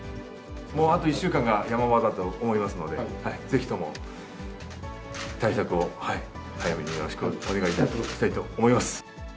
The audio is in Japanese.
もうあと１週間がヤマ場だと思いますので、ぜひとも対策を早めによろしくお願いいたしたいと思います。